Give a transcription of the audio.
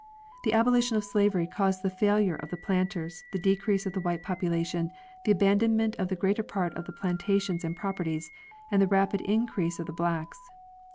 The abo lition of slavery caused the failure of the planters, the decrease of the white population, the abandonment of the greater part of the plantations and properties, and the rapid increase of the blacks.